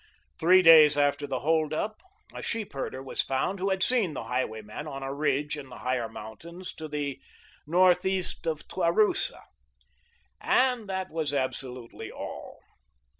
Three days after the hold up, a sheep herder was found who had seen the highwayman on a ridge in the higher mountains, to the northeast of Taurusa. And that was absolutely all.